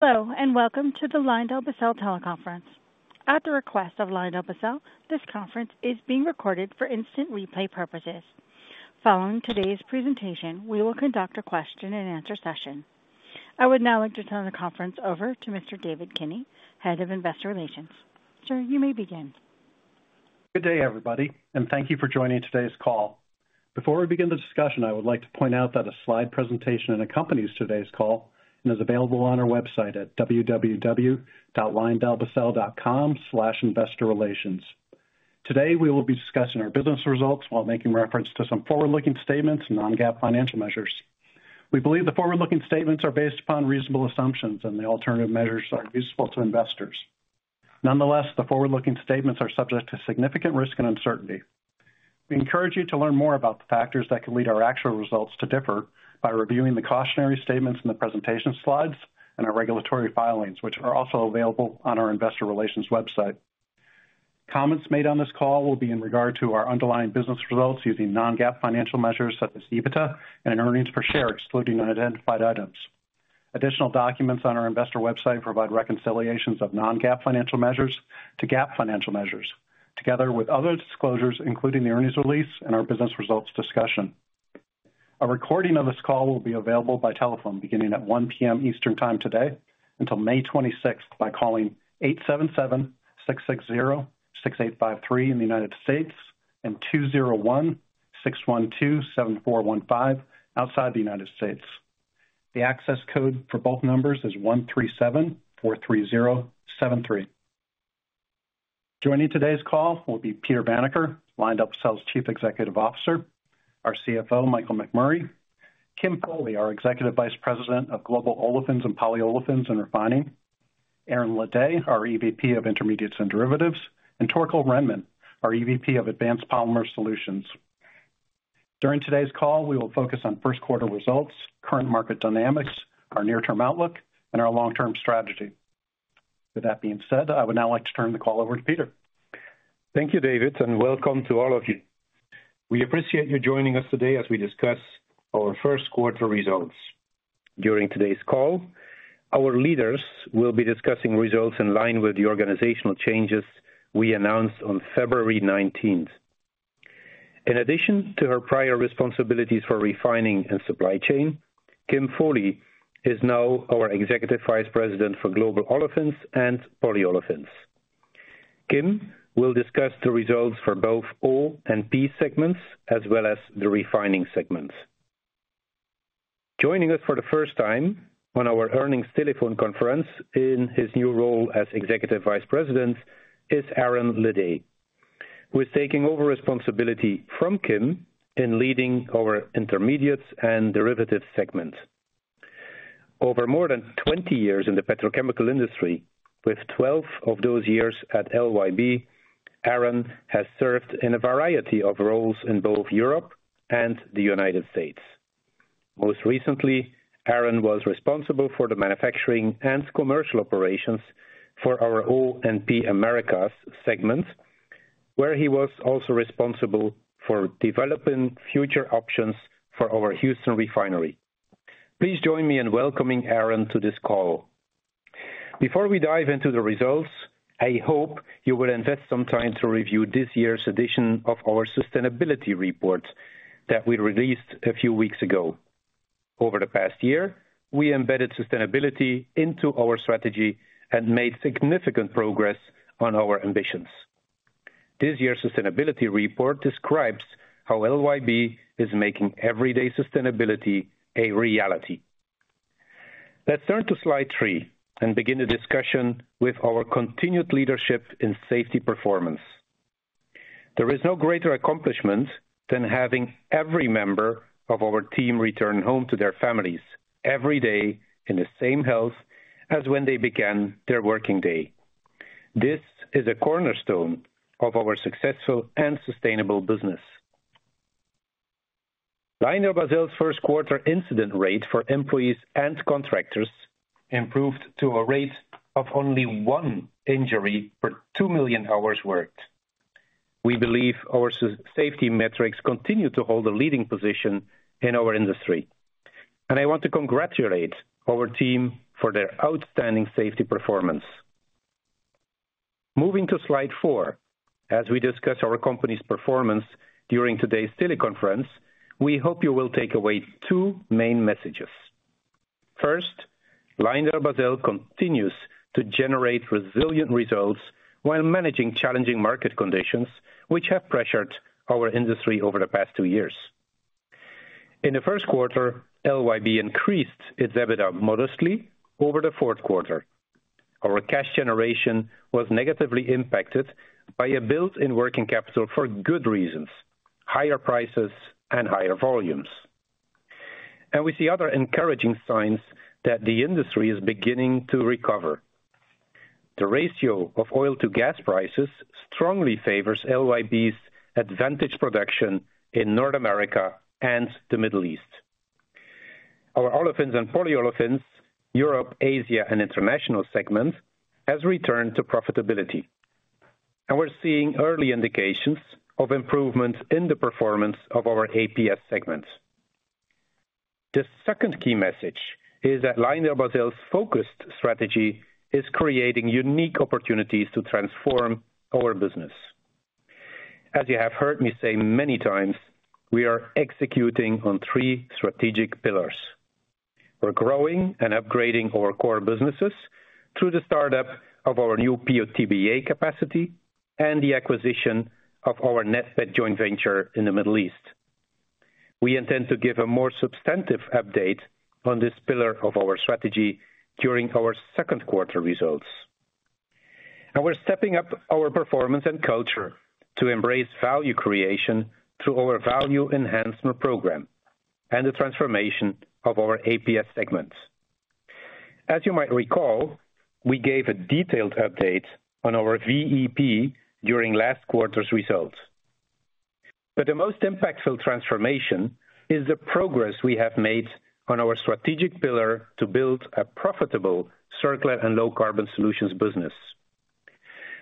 Hello, and welcome to the LyondellBasell teleconference. At the request of LyondellBasell, this conference is being recorded for instant replay purposes. Following today's presentation, we will conduct a question and answer session. I would now like to turn the conference over to Mr. David Kinney, Head of Investor Relations. Sir, you may begin. Good day, everybody, and thank you for joining today's call. Before we begin the discussion, I would like to point out that a slide presentation accompanies today's call and is available on our website at www.lyondellbasell.com/investorrelations. Today, we will be discussing our business results while making reference to some forward-looking statements and non-GAAP financial measures. We believe the forward-looking statements are based upon reasonable assumptions and the alternative measures are useful to investors. Nonetheless, the forward-looking statements are subject to significant risk and uncertainty. We encourage you to learn more about the factors that could lead our actual results to differ by reviewing the cautionary statements in the presentation slides and our regulatory filings, which are also available on our investor relations website. Comments made on this call will be in regard to our underlying business results using non-GAAP financial measures such as EBITDA and earnings per share, excluding unidentified items. Additional documents on our investor website provide reconciliations of non-GAAP financial measures to GAAP financial measures, together with other disclosures, including the earnings release and our business results discussion. A recording of this call will be available by telephone beginning at 1 P.M. Eastern Time today until May 26th, by calling 877-660-6853 in the United States, and 201-612-7415 outside the United States. The access code for both numbers is 13743073. Joining today's call will be Peter Vanacker, LyondellBasell's Chief Executive Officer, our CFO, Michael McMurray, Kim Foley, our Executive Vice President of Global Olefins and Polyolefins and Refining, Aaron Ledet, our EVP of Intermediates and Derivatives, and Torkel Rhenman, our EVP of Advanced Polymer Solutions. During today's call, we will focus on first quarter results, current market dynamics, our near-term outlook, and our long-term strategy. With that being said, I would now like to turn the call over to Peter. Thank you, David, and welcome to all of you. We appreciate you joining us today as we discuss our first quarter results. During today's call, our leaders will be discussing results in line with the organizational changes we announced on February nineteenth. In addition to her prior responsibilities for refining and supply chain, Kim Foley is now our Executive Vice President for Global Olefins and Polyolefins. Kim will discuss the results for both O and P segments, as well as the refining segments. Joining us for the first time on our earnings telephone conference in his new role as Executive Vice President is Aaron Ledet, who is taking over responsibility from Kim in leading our intermediates and derivatives segment. Over more than 20 years in the petrochemical industry, with 12 of those years at LYB, Aaron has served in a variety of roles in both Europe and the United States. Most recently, Aaron was responsible for the manufacturing and commercial operations for our O&P Americas segment, where he was also responsible for developing future options for our Houston refinery. Please join me in welcoming Aaron to this call. Before we dive into the results, I hope you will invest some time to review this year's edition of our sustainability report that we released a few weeks ago. Over the past year, we embedded sustainability into our strategy and made significant progress on our ambitions. This year's sustainability report describes how LYB is making everyday sustainability a reality. Let's turn to slide three and begin the discussion with our continued leadership in safety performance. There is no greater accomplishment than having every member of our team return home to their families every day in the same health as when they began their working day. This is a cornerstone of our successful and sustainable business. LyondellBasell's first quarter incident rate for employees and contractors improved to a rate of only 1 injury per 2 million hours worked. We believe our safety metrics continue to hold a leading position in our industry, and I want to congratulate our team for their outstanding safety performance. Moving to slide 4, as we discuss our company's performance during today's teleconference, we hope you will take away 2 main messages. First, LyondellBasell continues to generate resilient results while managing challenging market conditions, which have pressured our industry over the past 2 years. In the first quarter, LYB increased its EBITDA modestly over the fourth quarter. Our cash generation was negatively impacted by a built-in working capital for good reasons: higher prices and higher volumes. We see other encouraging signs that the industry is beginning to recover. The ratio of oil to gas prices strongly favors LYB's advantaged production in North America and the Middle East. Our Olefins and Polyolefins, Europe, Asia, and International segments has returned to profitability. And we're seeing early indications of improvements in the performance of our APS segment. The second key message is that LyondellBasell's focused strategy is creating unique opportunities to transform our business. As you have heard me say many times, we are executing on three strategic pillars. We're growing and upgrading our core businesses through the startup of our new PO/TBA capacity and the acquisition of our NATPET joint venture in the Middle East. We intend to give a more substantive update on this pillar of our strategy during our second quarter results. And we're stepping up our performance and culture to embrace value creation through our value enhancement program and the transformation of our APS segment. As you might recall, we gave a detailed update on our VEP during last quarter's results. But the most impactful transformation is the progress we have made on our strategic pillar to build a profitable circular and low carbon solutions business.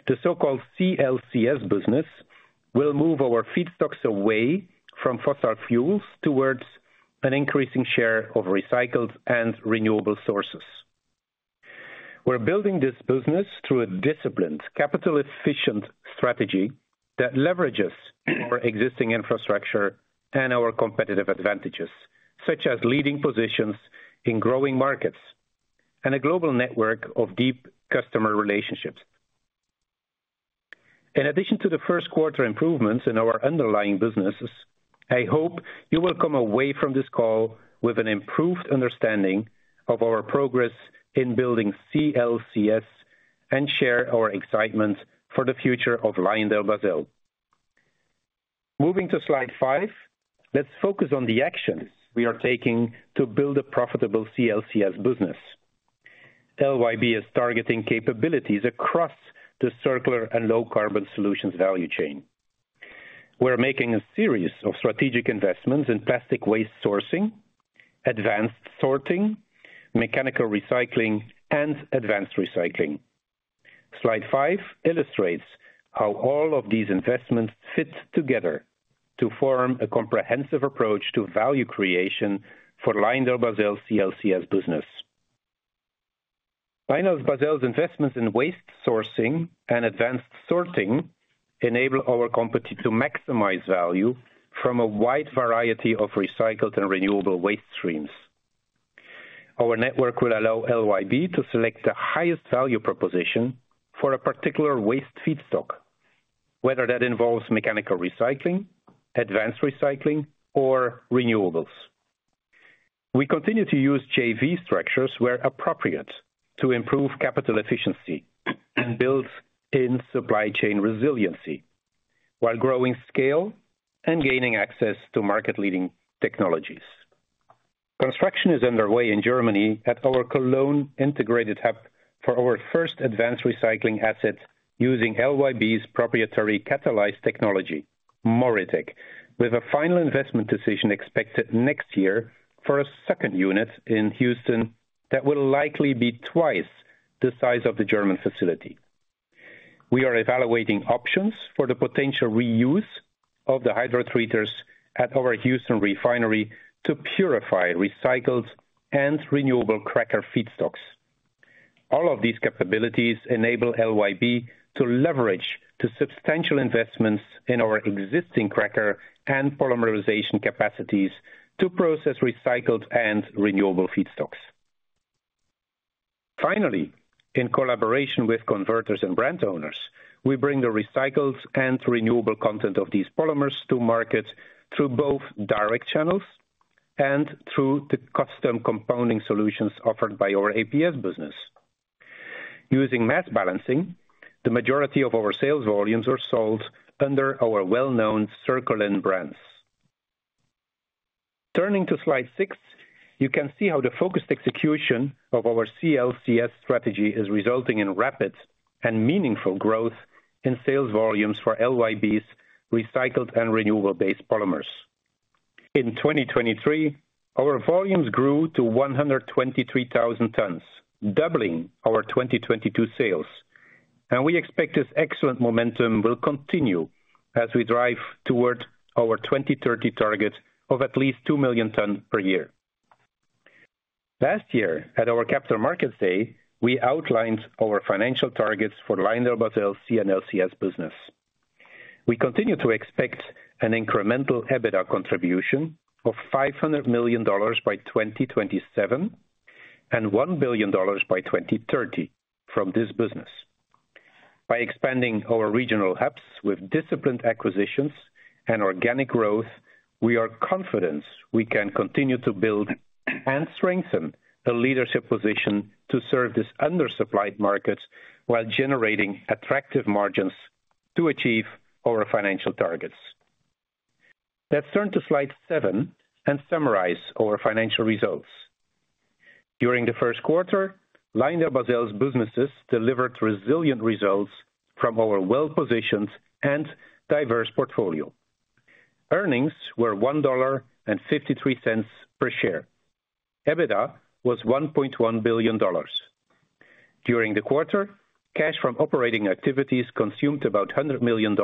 The so-called CLCS business will move our feedstocks away from fossil fuels towards an increasing share of recycled and renewable sources. We're building this business through a disciplined, capital-efficient strategy that leverages our existing infrastructure and our competitive advantages, such as leading positions in growing markets and a global network of deep customer relationships. In addition to the first quarter improvements in our underlying businesses, I hope you will come away from this call with an improved understanding of our progress in building CLCS and share our excitement for the future of LyondellBasell. Moving to slide 5, let's focus on the actions we are taking to build a profitable CLCS business. LYB is targeting capabilities across the circular and low carbon solutions value chain. We're making a series of strategic investments in plastic waste sourcing, advanced sorting, mechanical recycling, and advanced recycling. slide 5 illustrates how all of these investments fit together to form a comprehensive approach to value creation for LyondellBasell CLCS business. LyondellBasell's investments in waste sourcing and advanced sorting enable our company to maximize value from a wide variety of recycled and renewable waste streams. Our network will allow LYB to select the highest value proposition for a particular waste feedstock, whether that involves mechanical recycling, advanced recycling, or renewables. We continue to use JV structures where appropriate to improve capital efficiency and build in supply chain resiliency, while growing scale and gaining access to market-leading technologies. Construction is underway in Germany at our Cologne integrated hub for our first advanced recycling asset, using LYB's proprietary catalyzed technology, MoReTec, with a final investment decision expected next year for a second unit in Houston that will likely be twice the size of the German facility. We are evaluating options for the potential reuse of the hydrotreaters at our Houston refinery to purify recycled and renewable cracker feedstocks. All of these capabilities enable LYB to leverage the substantial investments in our existing cracker and polymerization capacities to process recycled and renewable feedstocks. Finally, in collaboration with converters and brand owners, we bring the recycled and renewable content of these polymers to market through both direct channels and through the custom compounding solutions offered by our APS business. Using mass balancing, the majority of our sales volumes are sold under our well-known Circulen brands. Turning to slide 6, you can see how the focused execution of our CLCS strategy is resulting in rapid and meaningful growth in sales volumes for LYB's recycled and renewable-based polymers. In 2023, our volumes grew to 123,000 tons, doubling our 2022 sales, and we expect this excellent momentum will continue as we drive toward our 2030 target of at least 2 million tons per year. Last year, at our Capital Markets Day, we outlined our financial targets for LyondellBasell's CLCS business. We continue to expect an incremental EBITDA contribution of $500 million by 2027, and $1 billion by 2030 from this business. By expanding our regional hubs with disciplined acquisitions and organic growth, we are confident we can continue to build and strengthen the leadership position to serve this undersupplied market, while generating attractive margins to achieve our financial targets. Let's turn to slide 7 and summarize our financial results. During the first quarter, LyondellBasell's businesses delivered resilient results from our well-positioned and diverse portfolio. Earnings were $1.53 per share. EBITDA was $1.1 billion. During the quarter, cash from operating activities consumed about $100 million,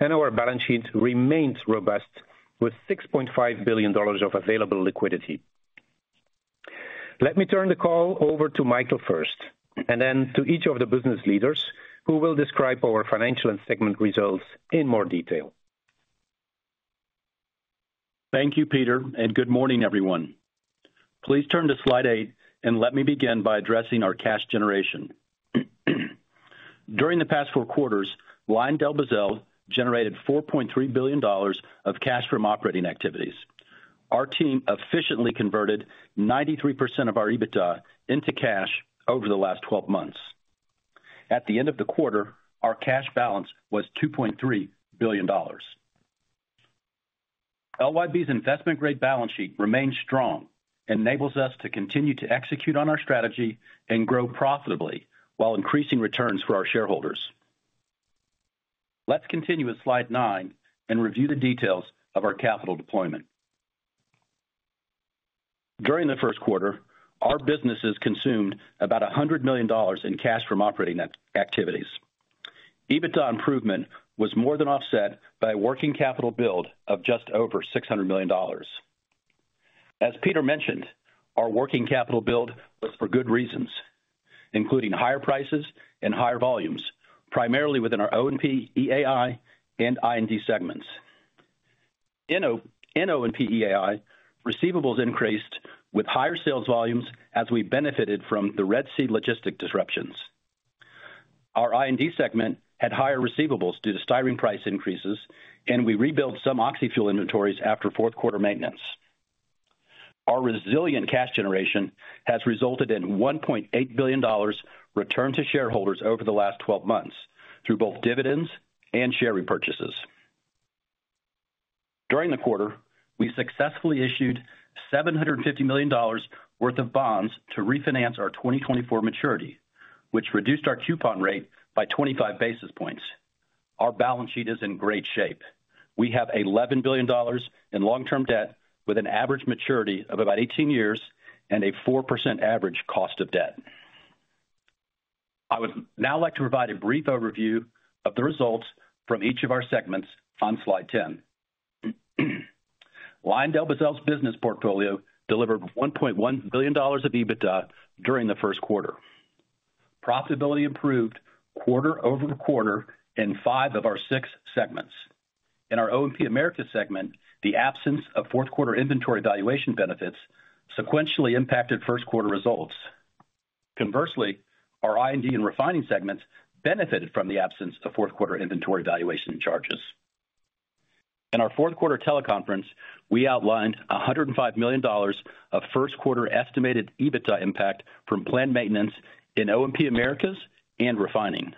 and our balance sheet remains robust, with $6.5 billion of available liquidity. Let me turn the call over to Michael first, and then to each of the business leaders, who will describe our financial and segment results in more detail. Thank you, Peter, and good morning, everyone. Please turn to slide 8, and let me begin by addressing our cash generation. During the past 4 quarters, LyondellBasell generated $4.3 billion of cash from operating activities. Our team efficiently converted 93% of our EBITDA into cash over the last 12 months. At the end of the quarter, our cash balance was $2.3 billion. LYB's investment-grade balance sheet remains strong and enables us to continue to execute on our strategy and grow profitably while increasing returns for our shareholders. Let's continue with slide 9 and review the details of our capital deployment. During the first quarter, our businesses consumed about $100 million in cash from operating activities. EBITDA improvement was more than offset by a working capital build of just over $600 million. As Peter mentioned, our working capital build was for good reasons, including higher prices and higher volumes, primarily within our O&P, EAI, and I&D segments. In O&P EAI, receivables increased with higher sales volumes as we benefited from the Red Sea logistic disruptions. Our I&D segment had higher receivables due to styrene price increases, and we rebuilt some oxy-fuel inventories after fourth quarter maintenance. Our resilient cash generation has resulted in $1.8 billion returned to shareholders over the last 12 months through both dividends and share repurchases. During the quarter, we successfully issued $750 million worth of bonds to refinance our 2024 maturity, which reduced our coupon rate by 25 basis points. Our balance sheet is in great shape. We have $11 billion in long-term debt, with an average maturity of about 18 years and a 4% average cost of debt. I would now like to provide a brief overview of the results from each of our segments on slide 10. LyondellBasell's business portfolio delivered $1.1 billion of EBITDA during the first quarter. Profitability improved quarter-over-quarter in five of our six segments. In our O&P Americas segment, the absence of fourth quarter inventory valuation benefits sequentially impacted first quarter results. Conversely, our I&D and refining segments benefited from the absence of fourth quarter inventory valuation charges. In our fourth quarter teleconference, we outlined $105 million of first quarter estimated EBITDA impact from planned maintenance in O&P Americas and refining.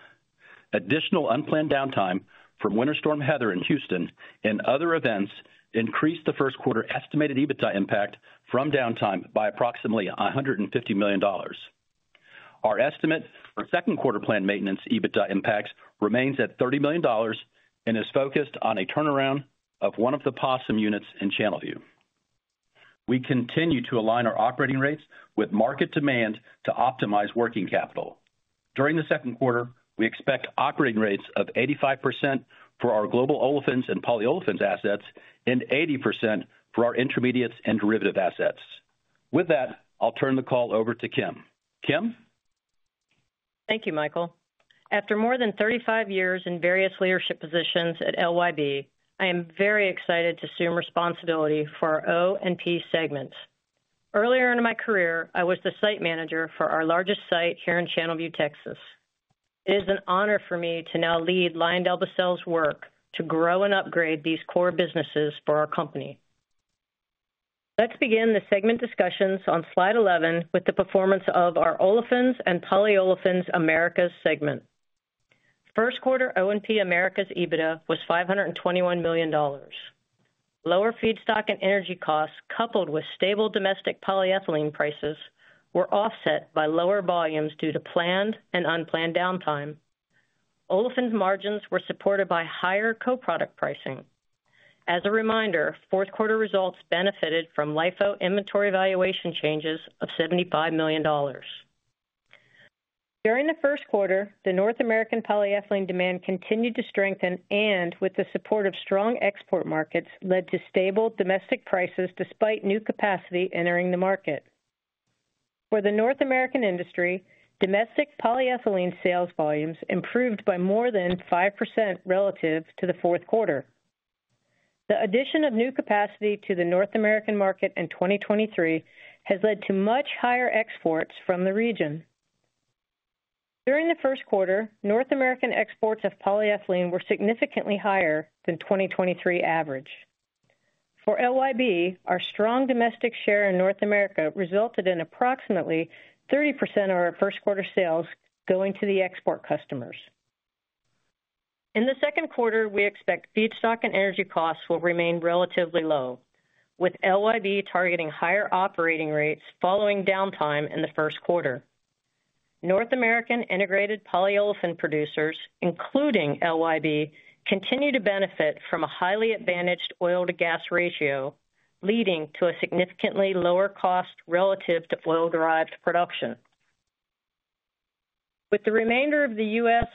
Additional unplanned downtime from Winter Storm Heather in Houston and other events increased the first quarter estimated EBITDA impact from downtime by approximately $150 million. Our estimate for second quarter planned maintenance EBITDA impacts remains at $30 million and is focused on a turnaround of one of the POSM units in Channelview. We continue to align our operating rates with market demand to optimize working capital. During the second quarter, we expect operating rates of 85% for our global olefins and polyolefins assets and 80% for our intermediates and derivative assets. With that, I'll turn the call over to Kim. Kim? Thank you, Michael. After more than 35 years in various leadership positions at LYB, I am very excited to assume responsibility for our O&P segment. Earlier in my career, I was the site manager for our largest site here in Channelview, Texas. It is an honor for me to now lead LyondellBasell's work to grow and upgrade these core businesses for our company. Let's begin the segment discussions on slide 11 with the performance of our Olefins and Polyolefins Americas segment. First quarter O&P Americas EBITDA was $521 million. Lower feedstock and energy costs, coupled with stable domestic polyethylene prices, were offset by lower volumes due to planned and unplanned downtime. Olefins margins were supported by higher coproduct pricing. As a reminder, fourth quarter results benefited from LIFO inventory valuation changes of $75 million. During the first quarter, the North American polyethylene demand continued to strengthen and, with the support of strong export markets, led to stable domestic prices despite new capacity entering the market. For the North American industry, domestic polyethylene sales volumes improved by more than 5% relative to the fourth quarter. The addition of new capacity to the North American market in 2023 has led to much higher exports from the region. During the first quarter, North American exports of polyethylene were significantly higher than 2023 average. For LYB, our strong domestic share in North America resulted in approximately 30% of our first quarter sales going to the export customers. In the second quarter, we expect feedstock and energy costs will remain relatively low, with LYB targeting higher operating rates following downtime in the first quarter. North American integrated polyolefin producers, including LYB, continue to benefit from a highly advantaged oil to gas ratio, leading to a significantly lower cost relative to oil-derived production. With the remainder of the U.S.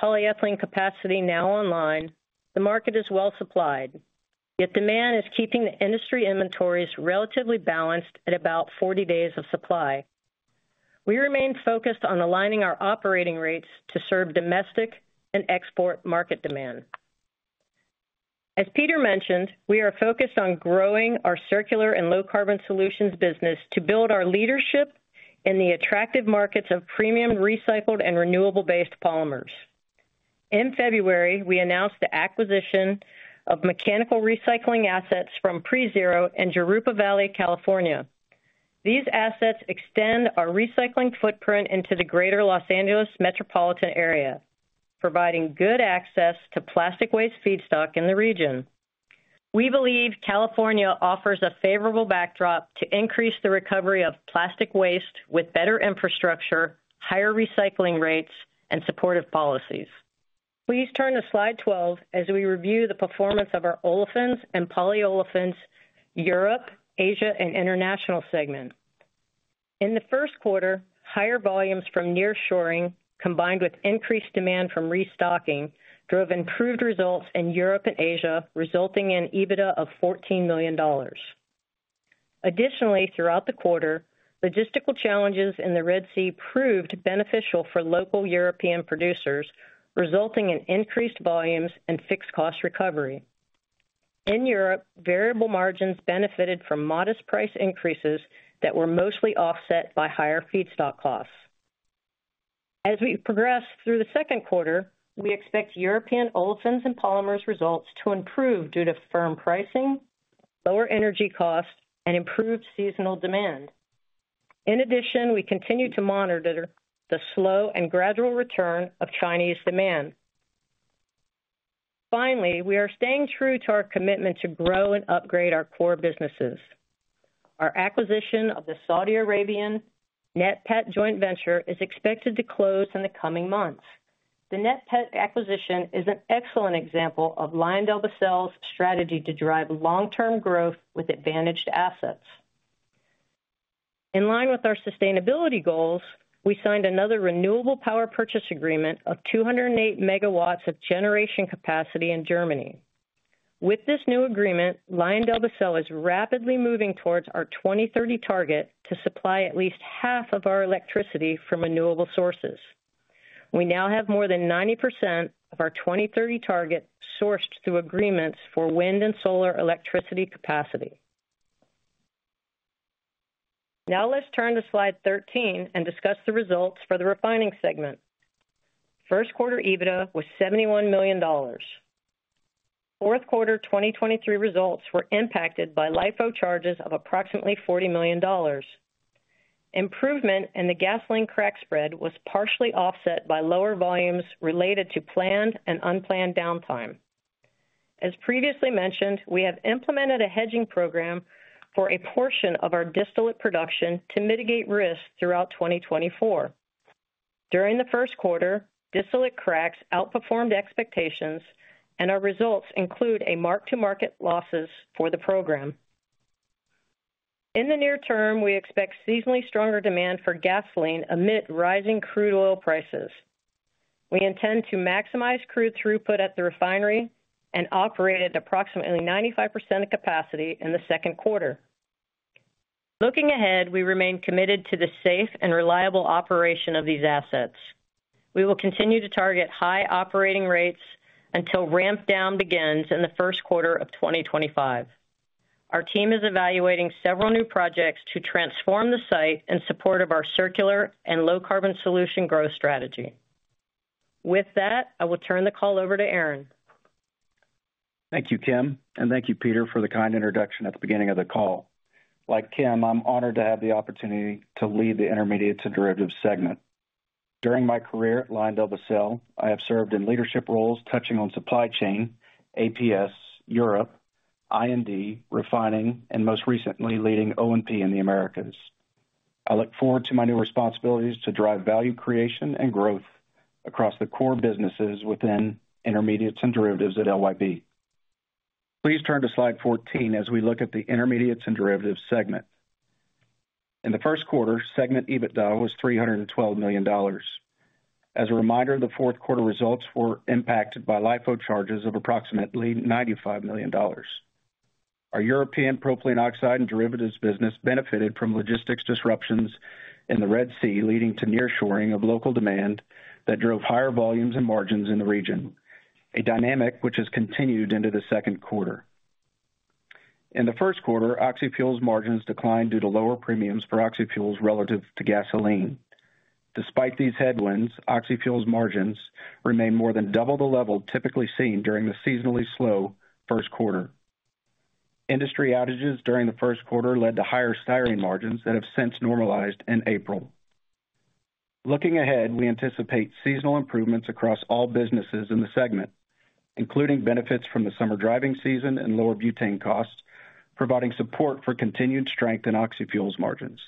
polyethylene capacity now online, the market is well supplied, yet demand is keeping the industry inventories relatively balanced at about 40 days of supply. We remain focused on aligning our operating rates to serve domestic and export market demand. As Peter mentioned, we are focused on growing our circular and low carbon solutions business to build our leadership in the attractive markets of premium, recycled, and renewable-based polymers. In February, we announced the acquisition of mechanical recycling assets from PreZero in Jurupa Valley, California. These assets extend our recycling footprint into the greater Los Angeles metropolitan area, providing good access to plastic waste feedstock in the region. We believe California offers a favorable backdrop to increase the recovery of plastic waste with better infrastructure, higher recycling rates, and supportive policies. Please turn to slide 12 as we review the performance of our olefins and polyolefins Europe, Asia, and International segment. In the first quarter, higher volumes from nearshoring, combined with increased demand from restocking, drove improved results in Europe and Asia, resulting in EBITDA of $14 million. Additionally, throughout the quarter, logistical challenges in the Red Sea proved beneficial for local European producers, resulting in increased volumes and fixed cost recovery. In Europe, variable margins benefited from modest price increases that were mostly offset by higher feedstock costs. As we progress through the second quarter, we expect European olefins and polymers results to improve due to firm pricing, lower energy costs, and improved seasonal demand. In addition, we continue to monitor the slow and gradual return of Chinese demand. Finally, we are staying true to our commitment to grow and upgrade our core businesses. Our acquisition of the Saudi Arabian NATPET joint venture is expected to close in the coming months. The NATPET acquisition is an excellent example of LyondellBasell's strategy to drive long-term growth with advantaged assets. In line with our sustainability goals, we signed another renewable power purchase agreement of 208 megawatts of generation capacity in Germany. With this new agreement, LyondellBasell is rapidly moving towards our 2030 target to supply at least half of our electricity from renewable sources. We now have more than 90% of our 2030 target sourced through agreements for wind and solar electricity capacity. Now let's turn to slide 13 and discuss the results for the refining segment. First quarter EBITDA was $71 million. Fourth quarter 2023 results were impacted by LIFO charges of approximately $40 million. Improvement in the gasoline crack spread was partially offset by lower volumes related to planned and unplanned downtime. As previously mentioned, we have implemented a hedging program for a portion of our distillate production to mitigate risks throughout 2024. During the first quarter, distillate cracks outperformed expectations, and our results include a mark-to-market losses for the program. In the near term, we expect seasonally stronger demand for gasoline amid rising crude oil prices. We intend to maximize crude throughput at the refinery and operate at approximately 95% of capacity in the second quarter. Looking ahead, we remain committed to the safe and reliable operation of these assets. We will continue to target high operating rates until ramp down begins in the first quarter of 2025. Our team is evaluating several new projects to transform the site in support of our circular and low carbon solution growth strategy. With that, I will turn the call over to Aaron. Thank you, Kim, and thank you, Peter, for the kind introduction at the beginning of the call. Like Kim, I'm honored to have the opportunity to lead the Intermediates and Derivatives segment. During my career at LyondellBasell, I have served in leadership roles touching on supply chain, APS, Europe, I&D, refining, and most recently, leading O&P in the Americas. I look forward to my new responsibilities to drive value creation and growth across the core businesses within Intermediates and Derivatives at LYB. Please turn to slide 14 as we look at the Intermediates and Derivatives segment. In the first quarter, segment EBITDA was $312 million. As a reminder, the fourth quarter results were impacted by LIFO charges of approximately $95 million. Our European propylene oxide and derivatives business benefited from logistics disruptions in the Red Sea, leading to nearshoring of local demand that drove higher volumes and margins in the region, a dynamic which has continued into the second quarter. In the first quarter, oxyfuels margins declined due to lower premiums for oxyfuels relative to gasoline. Despite these headwinds, oxyfuels margins remain more than double the level typically seen during the seasonally slow first quarter. Industry outages during the first quarter led to higher styrene margins that have since normalized in April. Looking ahead, we anticipate seasonal improvements across all businesses in the segment, including benefits from the summer driving season and lower butane costs, providing support for continued strength in oxyfuels margins.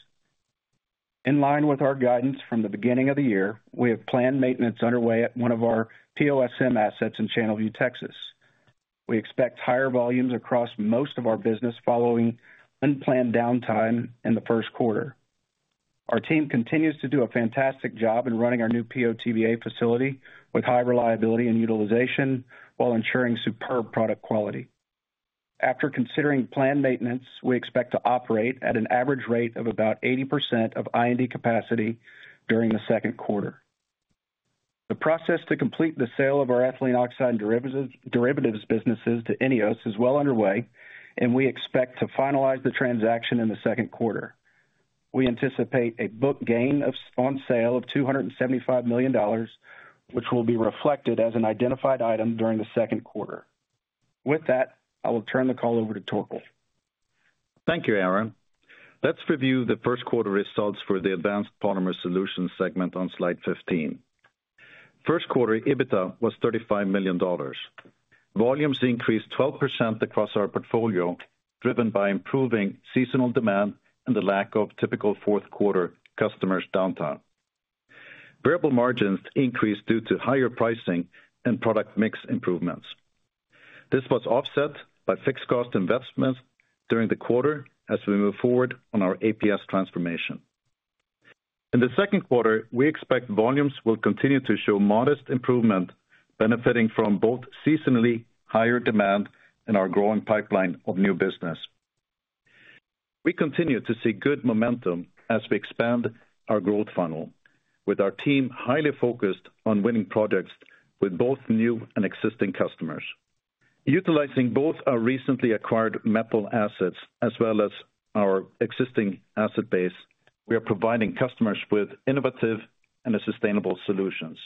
In line with our guidance from the beginning of the year, we have planned maintenance underway at one of our POSM assets in Channelview, Texas. We expect higher volumes across most of our business following unplanned downtime in the first quarter. Our team continues to do a fantastic job in running our new PO/TBA facility, with high reliability and utilization, while ensuring superb product quality. After considering planned maintenance, we expect to operate at an average rate of about 80% of I&D capacity during the second quarter. The process to complete the sale of our ethylene oxide derivatives, derivatives businesses to INEOS is well underway, and we expect to finalize the transaction in the second quarter. We anticipate a book gain on sale of $275 million, which will be reflected as an identified item during the second quarter. With that, I will turn the call over to Torkel. Thank you, Aaron. Let's review the first quarter results for the Advanced Polymer Solutions segment on slide 15. First quarter, EBITDA was $35 million. Volumes increased 12% across our portfolio, driven by improving seasonal demand and the lack of typical fourth quarter customer's downtime. Variable margins increased due to higher pricing and product mix improvements. This was offset by fixed cost investments during the quarter as we move forward on our APS transformation. In the second quarter, we expect volumes will continue to show modest improvement, benefiting from both seasonally higher demand and our growing pipeline of new business. We continue to see good momentum as we expand our growth funnel, with our team highly focused on winning projects with both new and existing customers. Utilizing both our recently acquired metal assets as well as our existing asset base, we are providing customers with innovative and sustainable solutions.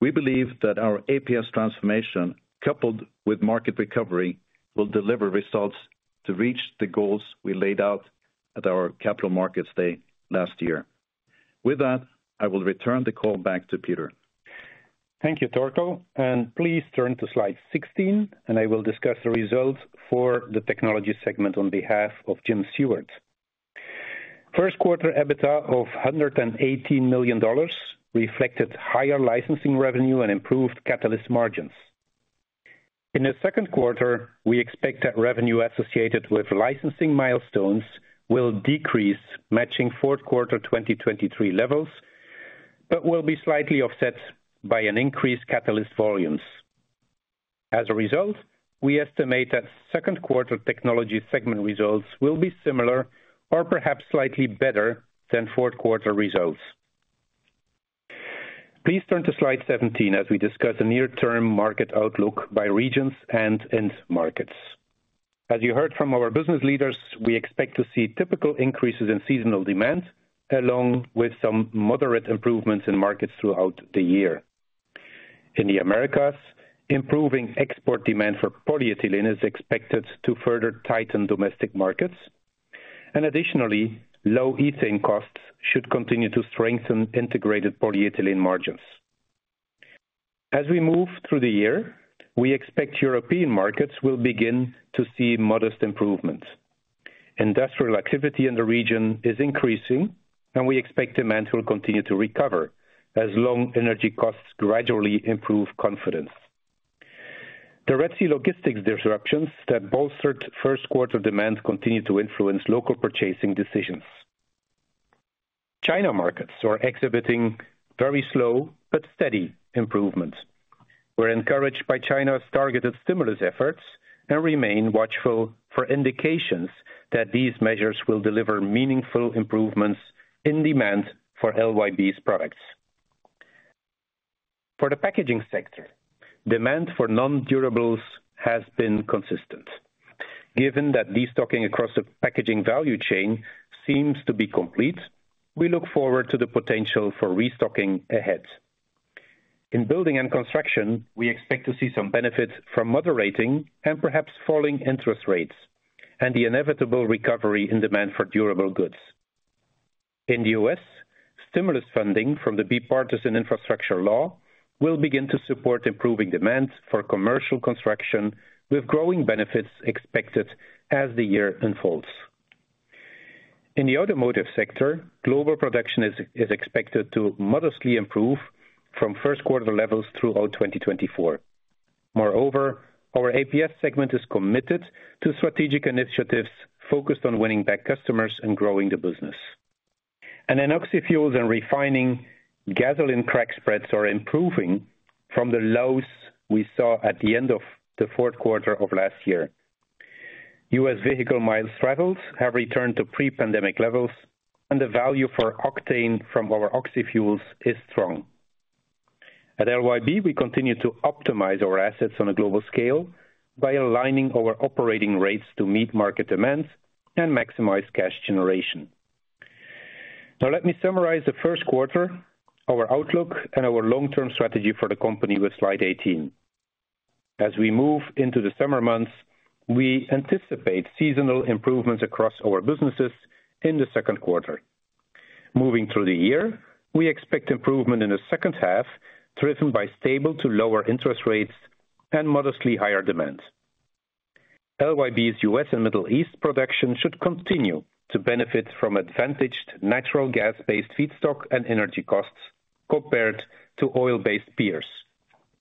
We believe that our APS transformation, coupled with market recovery, will deliver results to reach the goals we laid out at our capital markets day last year. With that, I will return the call back to Peter. Thank you, Torkel, and please turn to slide 16, and I will discuss the results for the technology segment on behalf of Jim Seward. First quarter EBITDA of $118 million reflected higher licensing revenue and improved catalyst margins. In the second quarter, we expect that revenue associated with licensing milestones will decrease, matching fourth quarter 2023 levels, but will be slightly offset by an increased catalyst volumes. As a result, we estimate that second quarter technology segment results will be similar or perhaps slightly better than fourth quarter results. Please turn to slide 17 as we discuss the near-term market outlook by regions and end markets. As you heard from our business leaders, we expect to see typical increases in seasonal demand, along with some moderate improvements in markets throughout the year. In the Americas, improving export demand for polyethylene is expected to further tighten domestic markets, and additionally, low ethane costs should continue to strengthen integrated polyethylene margins. As we move through the year, we expect European markets will begin to see modest improvements. Industrial activity in the region is increasing, and we expect demand will continue to recover as long energy costs gradually improve confidence. The Red Sea logistics disruptions that bolstered first quarter demand continue to influence local purchasing decisions. China markets are exhibiting very slow but steady improvement. We're encouraged by China's targeted stimulus efforts and remain watchful for indications that these measures will deliver meaningful improvements in demand for LYB's products. For the packaging sector, demand for non-durables has been consistent. Given that destocking across the packaging value chain seems to be complete, we look forward to the potential for restocking ahead. In building and construction, we expect to see some benefit from moderating and perhaps falling interest rates and the inevitable recovery in demand for durable goods. In the U.S., stimulus funding from the Bipartisan Infrastructure Law will begin to support improving demands for commercial construction, with growing benefits expected as the year unfolds. In the automotive sector, global production is expected to modestly improve from first quarter levels throughout 2024. Moreover, our APS segment is committed to strategic initiatives focused on winning back customers and growing the business. And in oxyfuels and refining, gasoline crack spreads are improving from the lows we saw at the end of the fourth quarter of last year. U.S. vehicle miles traveled have returned to pre-pandemic levels, and the value for octane from our oxyfuels is strong. At LYB, we continue to optimize our assets on a global scale by aligning our operating rates to meet market demands and maximize cash generation. Now, let me summarize the first quarter, our outlook, and our long-term strategy for the company with slide 18. As we move into the summer months, we anticipate seasonal improvements across our businesses in the second quarter. Moving through the year, we expect improvement in the second half, driven by stable to lower interest rates and modestly higher demand. LYB's U.S. and Middle East production should continue to benefit from advantaged natural gas-based feedstock and energy costs compared to oil-based peers.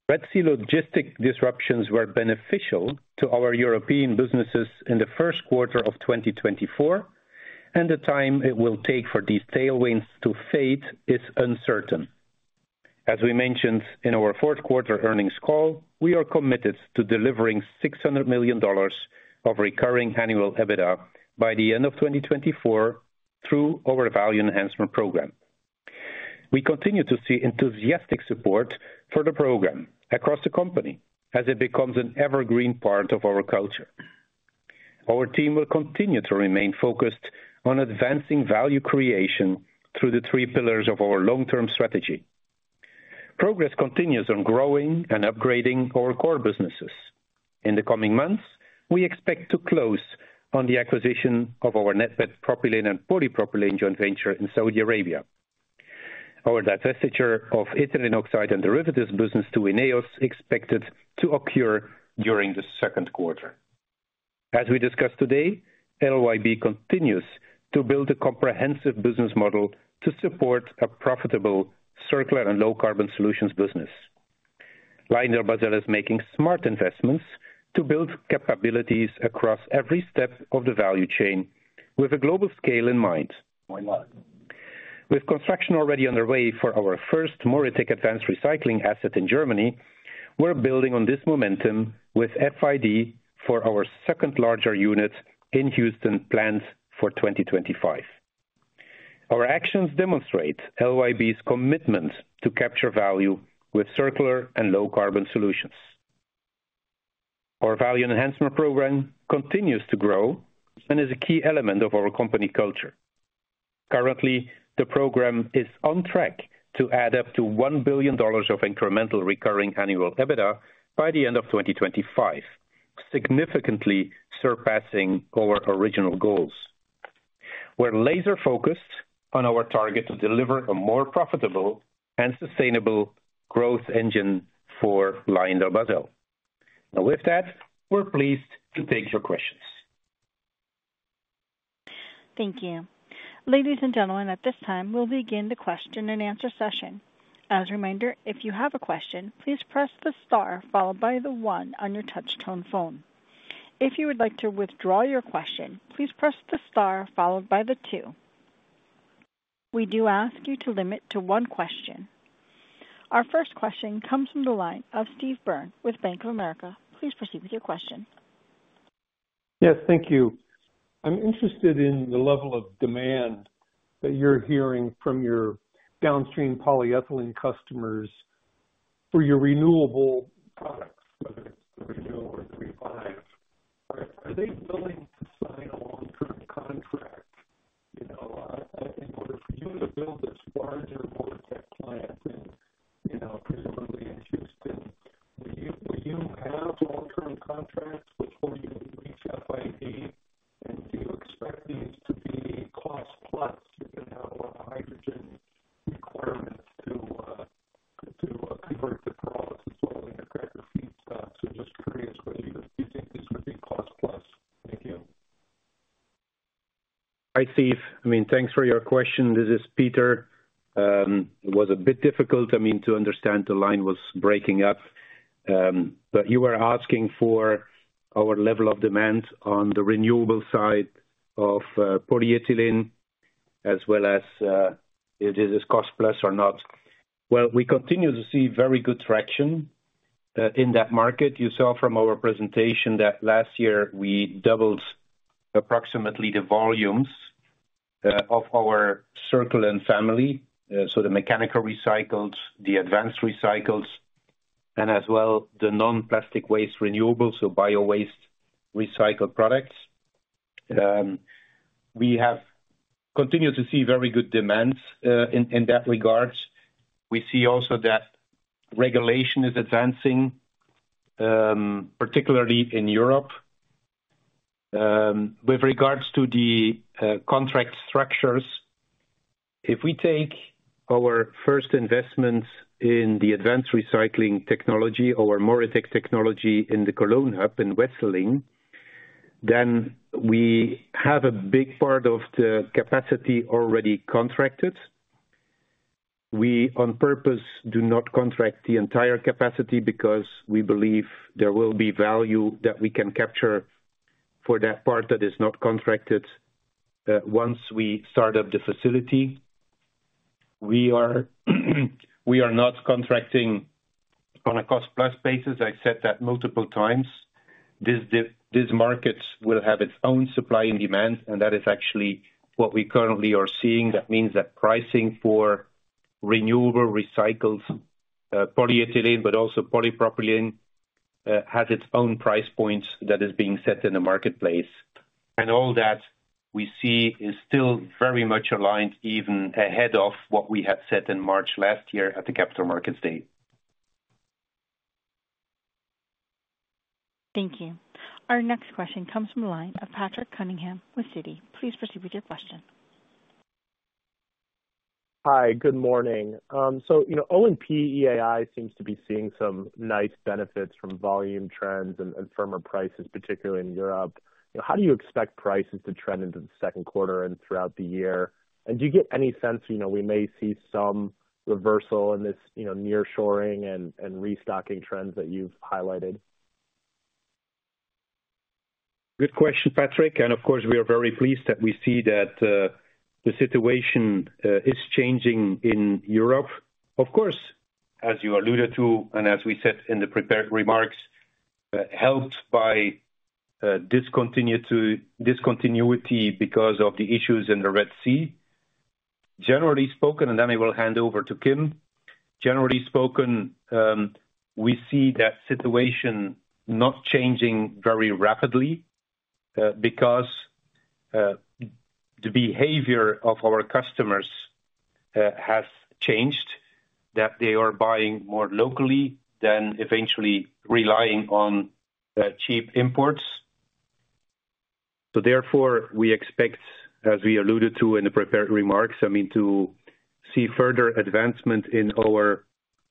Red Sea logistics disruptions were beneficial to our European businesses in the first quarter of 2024, and the time it will take for these tailwinds to fade is uncertain. As we mentioned in our fourth quarter earnings call, we are committed to delivering $600 million of recurring annual EBITDA by the end of 2024 through our value enhancement program. We continue to see enthusiastic support for the program across the company as it becomes an evergreen part of our culture. Our team will continue to remain focused on advancing value creation through the three pillars of our long-term strategy. Progress continues on growing and upgrading our core businesses. In the coming months, we expect to close on the acquisition of our NATPET and polypropylene joint venture in Saudi Arabia. Our divestiture of ethylene oxide and derivatives business to INEOS, expected to occur during the second quarter. As we discussed today, LYB continues to build a comprehensive business model to support a profitable circular and low carbon solutions business. LyondellBasell is making smart investments to build capabilities across every step of the value chain with a global scale in mind. With construction already underway for our first MoReTec advanced recycling asset in Germany, we're building on this momentum with FID for our second larger unit in Houston, planned for 2025. Our actions demonstrate LYB's commitment to capture value with circular and low carbon solutions. Our value enhancement program continues to grow and is a key element of our company culture. Currently, the program is on track to add up to $1 billion of incremental recurring annual EBITDA by the end of 2025, significantly surpassing our original goals. We're laser focused on our target to deliver a more profitable and sustainable growth engine for LyondellBasell. Now, with that, we're pleased to take your questions. Thank you. Ladies and gentlemen, at this time, we'll begin the question-and-answer session. As a reminder, if you have a question, please press the star followed by the one on your touch tone phone. If you would like to withdraw your question, please press the star followed by the two. We do ask you to limit to one question. Our first question comes from the line of Steve Byrne with Bank of America. Please proceed with your question. Yes, thank you. I'm interested in the level of demand that you're hearing from your downstream polyethylene customers for your renewable products, whether it's renewable or recycled. Are they willing to sign a long-term contract? You know, in order for you to build this larger MoReTec plant in, you know, presumably in Houston, will you have long-term contracts before you reach FID? And do you expect these to be cost plus? You're going to have a lot of hydrogen requirements to convert the process oil into cracker feedstock. So just curious, whether you think this would be cost plus. Thank you. Hi, Steve. I mean, thanks for your question. This is Peter. It was a bit difficult, I mean, to understand. The line was breaking up, but you were asking for our level of demand on the renewable side of polyethylene, as well as if it is cost plus or not. Well, we continue to see very good traction in that market. You saw from our presentation that last year we doubled approximately the volumes of our Circulen family, so the mechanical recycles, the advanced recycles, and as well, the non-plastic waste renewables, so biowaste recycled products. We have continued to see very good demand in that regard. We see also that regulation is advancing, particularly in Europe. With regards to the contract structures, if we take our first investment in the advanced recycling technology or MoReTec technology in the Cologne hub in Wesseling, then we have a big part of the capacity already contracted. We on purpose do not contract the entire capacity because we believe there will be value that we can capture for that part that is not contracted once we start up the facility. We are not contracting on a cost-plus basis. I said that multiple times. This market will have its own supply and demand, and that is actually what we currently are seeing. That means that pricing for renewable recycled polyethylene, but also polypropylene, has its own price points that is being set in the marketplace. All that we see is still very much aligned, even ahead of what we had said in March last year at the Capital Markets Day. Thank you. Our next question comes from the line of Patrick Cunningham with Citi. Please proceed with your question. Hi, good morning. So, you know, O&P EAI seems to be seeing some nice benefits from volume trends and firmer prices, particularly in Europe. How do you expect prices to trend into the second quarter and throughout the year? And do you get any sense, you know, we may see some reversal in this, you know, nearshoring and restocking trends that you've highlighted? Good question, Patrick, and of course, we are very pleased that we see that the situation is changing in Europe. Of course, as you alluded to, and as we said in the prepared remarks, helped by discontinuity because of the issues in the Red Sea. Generally spoken, and then I will hand over to Kim. Generally spoken, we see that situation not changing very rapidly because the behavior of our customers has changed, that they are buying more locally than eventually relying on cheap imports. So therefore, we expect, as we alluded to in the prepared remarks, I mean, to see further advancement in our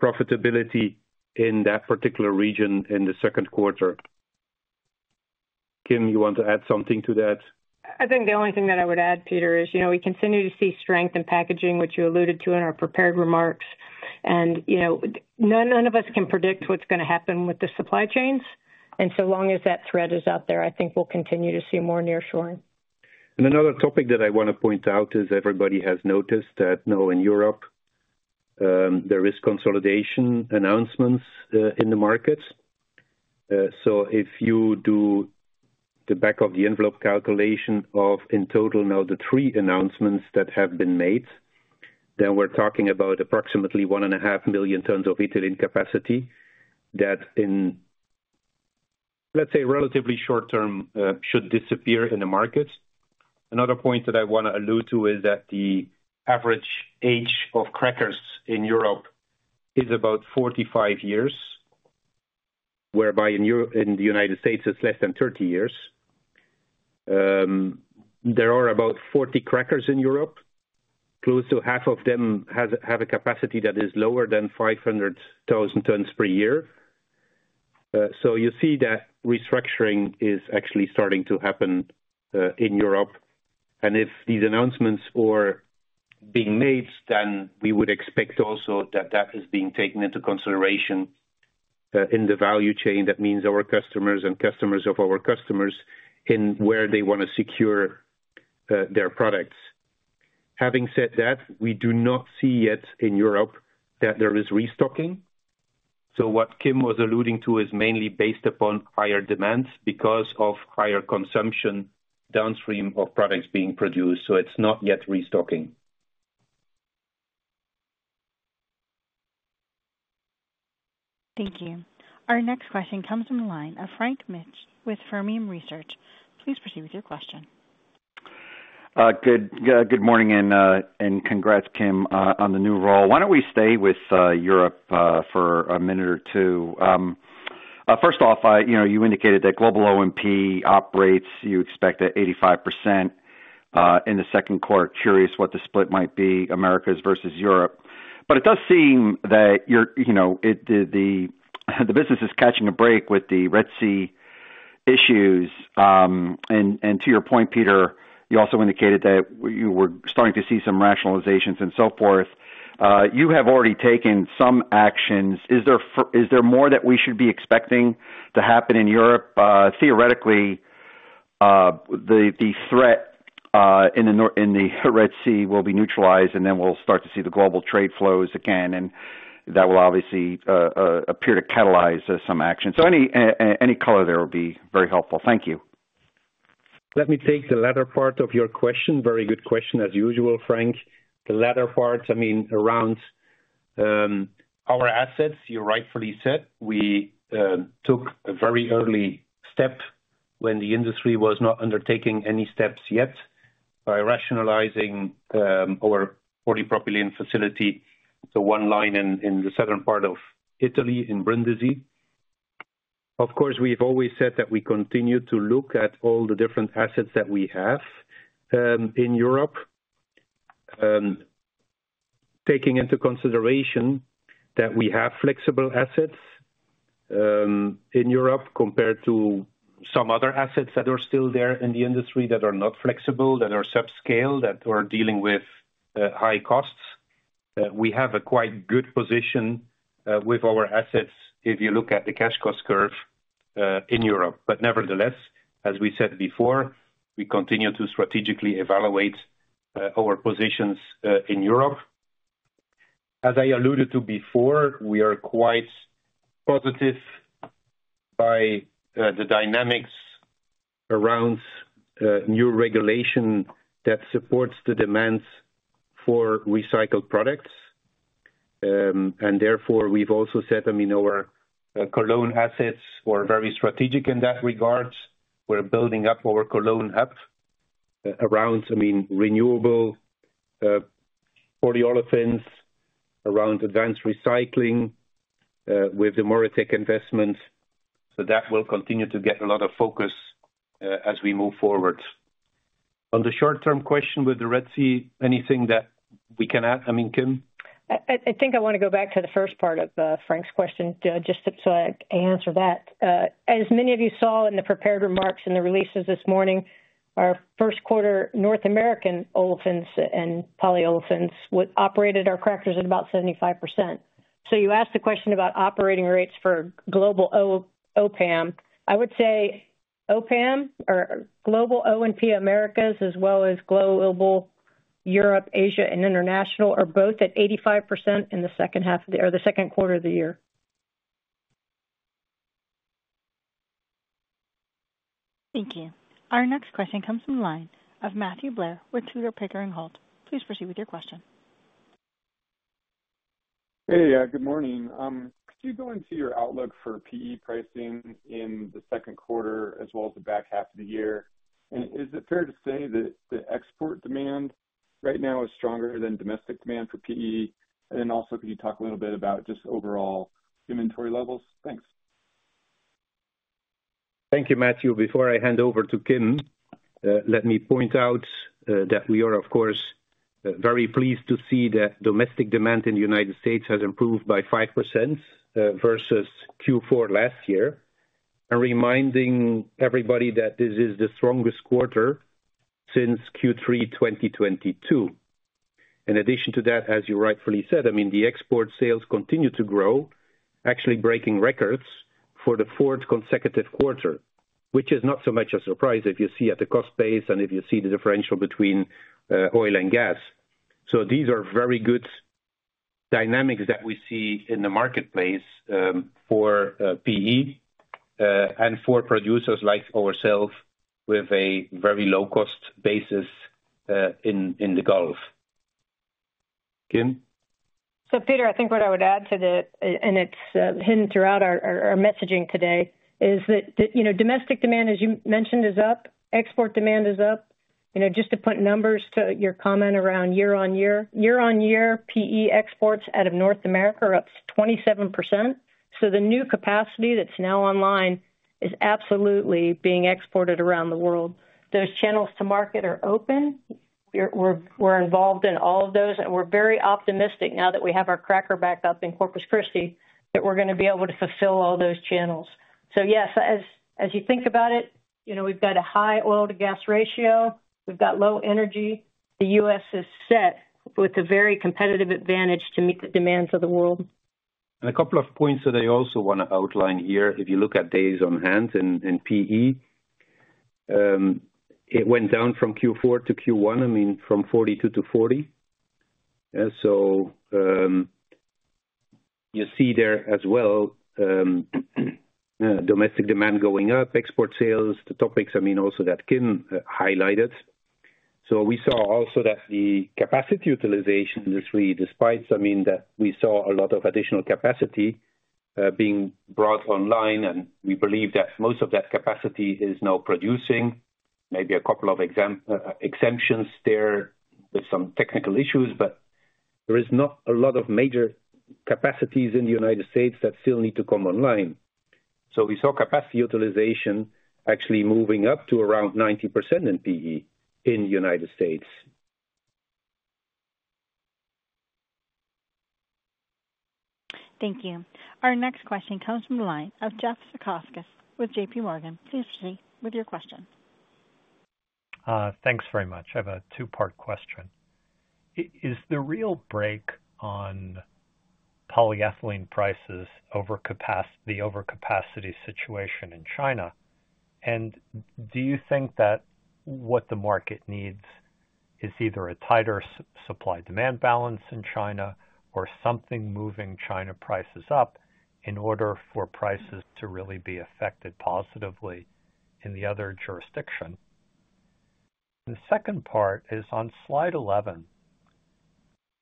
profitability in that particular region in the second quarter. Kim, you want to add something to that? I think the only thing that I would add, Peter, is, you know, we continue to see strength in packaging, which you alluded to in our prepared remarks, and, you know, none, none of us can predict what's going to happen with the supply chains, and so long as that threat is out there, I think we'll continue to see more nearshoring. Another topic that I want to point out is everybody has noticed that now in Europe, there is consolidation announcements in the market. So if you do the back of the envelope calculation of, in total, now, the three announcements that have been made, then we're talking about approximately 1.5 million tons of ethylene capacity that in. Let's say, relatively short term, should disappear in the market. Another point that I want to allude to is that the average age of crackers in Europe is about 45 years, whereby in the United States, it's less than 30 years. There are about 40 crackers in Europe. Close to half of them have a capacity that is lower than 500,000 tons per year. So you see that restructuring is actually starting to happen in Europe, and if these announcements are being made, then we would expect also that that is being taken into consideration in the value chain. That means our customers and customers of our customers, in where they want to secure their products. Having said that, we do not see yet in Europe that there is restocking. So what Kim was alluding to is mainly based upon higher demands because of higher consumption downstream of products being produced, so it's not yet restocking. Thank you. Our next question comes from the line of Frank Mitsch with Fermium Research. Please proceed with your question. Good morning and congrats, Kim, on the new role. Why don't we stay with Europe for a minute or two? First off, you know, you indicated that global O&P operates, you expect at 85% in the second quarter. Curious what the split might be, Americas versus Europe. But it does seem that you're, you know, the business is catching a break with the Red Sea issues. And to your point, Peter, you also indicated that you were starting to see some rationalizations and so forth. You have already taken some actions. Is there more that we should be expecting to happen in Europe? Theoretically, the threat in the Red Sea will be neutralized, and then we'll start to see the global trade flows again, and that will obviously appear to catalyze some action. So any color there will be very helpful. Thank you. Let me take the latter part of your question. Very good question as usual, Frank. The latter part, I mean, around our assets, you rightfully said, we took a very early step when the industry was not undertaking any steps yet, by rationalizing our polypropylene facility, the one line in the southern part of Italy, in Brindisi. Of course, we've always said that we continue to look at all the different assets that we have in Europe. Taking into consideration that we have flexible assets in Europe, compared to some other assets that are still there in the industry, that are not flexible, that are subscale, that are dealing with high costs. We have a quite good position with our assets if you look at the cash cost curve in Europe. But nevertheless, as we said before, we continue to strategically evaluate our positions in Europe. As I alluded to before, we are quite positive by the dynamics around new regulation that supports the demands for recycled products. And therefore, we've also said, I mean, our Cologne assets were very strategic in that regard. We're building up our Cologne hub around, I mean, renewable polyolefins, around advanced recycling with the MoReTec investment. So that will continue to get a lot of focus as we move forward. On the short-term question with the Red Sea, anything that we can add, I mean, Kim? I think I wanna go back to the first part of Frank's question, just so I can answer that. As many of you saw in the prepared remarks and the releases this morning, our first quarter North American olefins and polyolefins, we operated our crackers at about 75%. So you asked a question about operating rates for global O&P Americas. I would say O&P Americas or Global O&P Americas, as well as global Europe, Asia and International, are both at 85% in the second quarter of the year. Thank you. Our next question comes from the line of Matthew Blair with Tudor, Pickering, Holt. Please proceed with your question. Hey, good morning. Could you go into your outlook for PE pricing in the second quarter as well as the back half of the year? And is it fair to say that the export demand right now is stronger than domestic demand for PE? And then also, can you talk a little bit about just overall inventory levels? Thanks. Thank you, Matthew. Before I hand over to Kim, let me point out that we are, of course, very pleased to see that domestic demand in the United States has improved by 5%, versus Q4 last year. Reminding everybody that this is the strongest quarter since Q3 2022. In addition to that, as you rightfully said, I mean, the export sales continue to grow, actually breaking records for the fourth consecutive quarter, which is not so much a surprise if you see at the cost base and if you see the differential between oil and gas. So these are very good dynamics that we see in the marketplace for PE and for producers like ourselves, with a very low-cost basis in the Gulf. Kim? So Peter, I think what I would add to that, and it's hidden throughout our messaging today, is that, you know, domestic demand, as you mentioned, is up, export demand is up. You know, just to put numbers to your comment around year-on-year. Year-on-year, PE exports out of North America are up 27%. So the new capacity that's now online is absolutely being exported around the world. Those channels to market are open. We're involved in all of those, and we're very optimistic, now that we have our cracker back up in Corpus Christi, that we're gonna be able to fulfill all those channels. So yes, as you think about it, you know, we've got a high oil to gas ratio. We've got low energy. The U.S. is set with a very competitive advantage to meet the demands of the world. A couple of points that I also wanna outline here. If you look at days on hand in PE, it went down from Q4 to Q1, I mean, from 42 to 40. So you see there as well, domestic demand going up, export sales, the topics, I mean, also that Kim highlighted. So we saw also that the capacity utilization, actually, despite, I mean, that we saw a lot of additional capacity being brought online, and we believe that most of that capacity is now producing. Maybe a couple of exceptions there with some technical issues, but there is not a lot of major capacities in the United States that still need to come online. So we saw capacity utilization actually moving up to around 90% in PE in the United States. Thank you. Our next question comes from the line of Jeffrey Zekauskas with JPMorgan. Please proceed with your question. Thanks very much. I have a two-part question. Is the real break on polyethylene prices, over capacity, the overcapacity situation in China? And do you think that what the market needs is either a tighter supply-demand balance in China or something moving China prices up, in order for prices to really be affected positively in the other jurisdiction? The second part is on slide 11,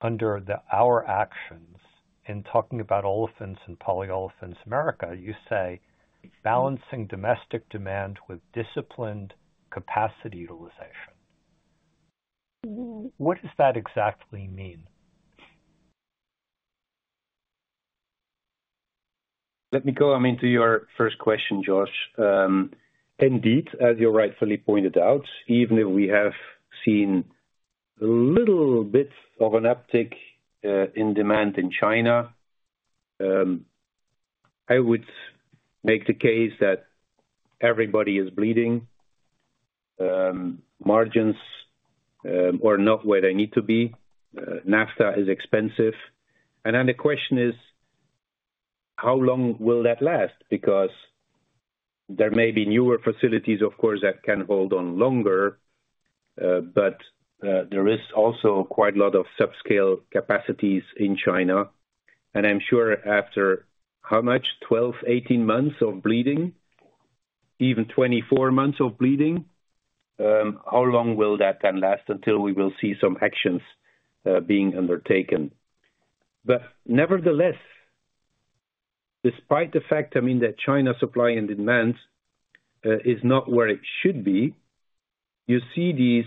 under the Our Actions, in talking about olefins and polyolefins Americas, you say, "Balancing domestic demand with disciplined capacity utilization." What does that exactly mean? Let me go, I mean, to your first question, Josh. Indeed, as you rightfully pointed out, even if we have seen a little bit of an uptick in demand in China, I would make the case that everybody is bleeding. Margins are not where they need to be. Naphtha is expensive. And then the question is: how long will that last? Because there may be newer facilities, of course, that can hold on longer, but there is also quite a lot of subscale capacities in China, and I'm sure after how much? 12, 18 months of bleeding, even 24 months of bleeding, how long will that then last until we will see some actions being undertaken? But nevertheless... Despite the fact, I mean, that China supply and demand is not where it should be, you see these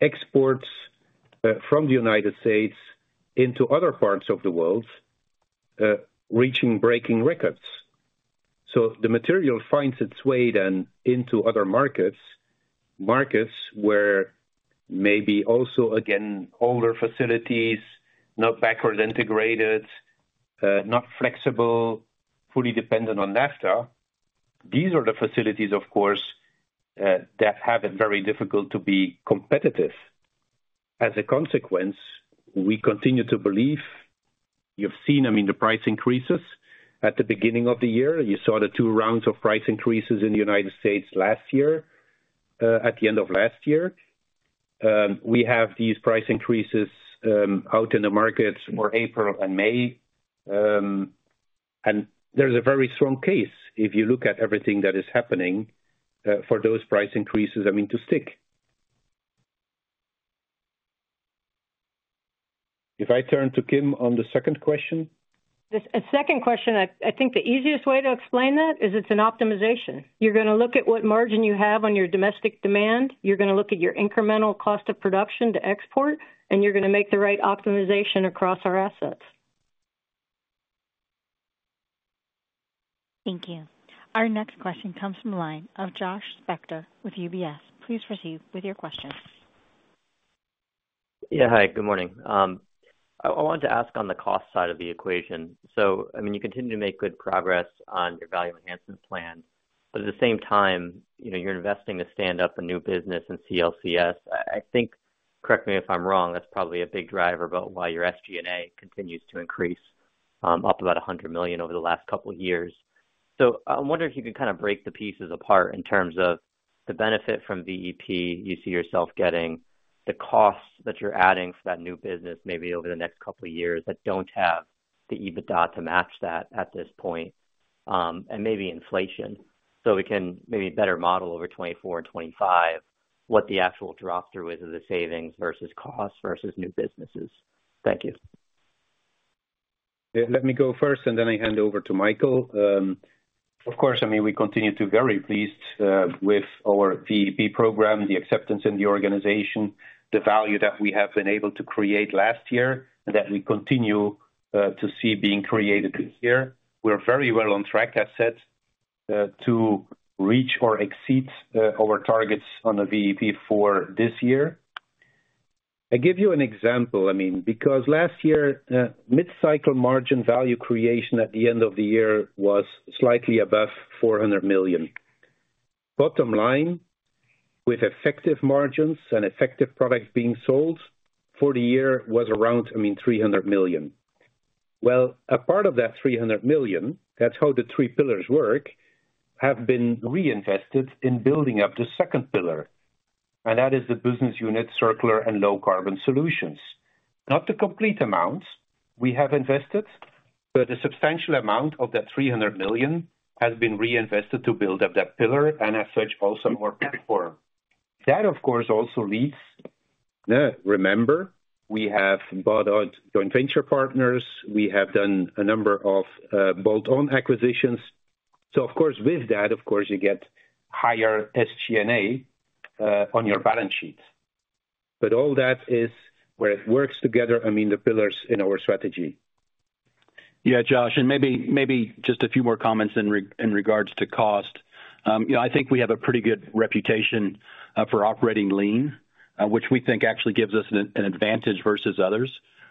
exports from the United States into other parts of the world reaching, breaking records. So the material finds its way then into other markets, markets where maybe also, again, older facilities, not backward integrated, not flexible, fully dependent on naphtha. These are the facilities, of course, that have it very difficult to be competitive. As a consequence, we continue to believe you've seen, I mean, the price increases at the beginning of the year. You saw the two rounds of price increases in the United States last year, at the end of last year. We have these price increases out in the market for April and May. There's a very strong case, if you look at everything that is happening, for those price increases, I mean, to stick. If I turn to Kim on the second question. The second question, I think the easiest way to explain that is it's an optimization. You're gonna look at what margin you have on your domestic demand, you're gonna look at your incremental cost of production to export, and you're gonna make the right optimization across our assets. Thank you. Our next question comes from the line of Joshua Spector with UBS. Please proceed with your question. Yeah. Hi, good morning. I wanted to ask on the cost side of the equation. So, I mean, you continue to make good progress on your Value Enhancement Plan, but at the same time, you know, you're investing to stand up a new business in CLCS. I think, correct me if I'm wrong, that's probably a big driver about why your SG&A continues to increase, up about $100 million over the last couple years. So I'm wondering if you could kind of break the pieces apart in terms of the benefit from VEP you see yourself getting, the costs that you're adding for that new business, maybe over the next couple of years, that don't have the EBITDA to match that at this point, and maybe inflation. So we can maybe better model over 2024 and 2025, what the actual drop through is of the savings versus costs versus new businesses. Thank you. Yeah, let me go first, and then I hand over to Michael. Of course, I mean, we continue to very pleased with our VEP program, the acceptance in the organization, the value that we have been able to create last year, and that we continue to see being created this year. We're very well on track, I said, to reach or exceed our targets on the VEP for this year. I give you an example, I mean, because last year, mid-cycle margin value creation at the end of the year was slightly above $400 million. Bottom line, with effective margins and effective products being sold for the year was around, I mean, $300 million. Well, a part of that $300 million, that's how the three pillars work, have been reinvested in building up the second pillar, and that is the business unit, Circular and Low Carbon Solutions. Not the complete amounts we have invested, but a substantial amount of that $300 million has been reinvested to build up that pillar, and as such, also MoReTec. That, of course, also leads. Remember, we have bought out joint venture partners. We have done a number of bolt-on acquisitions. So of course, with that, of course, you get higher SG&A on your balance sheet. But all that is where it works together, I mean, the pillars in our strategy. Yeah, Josh, and maybe just a few more comments in regards to cost. You know, I think we have a pretty good reputation for operating lean, which we think actually gives us an advantage versus others.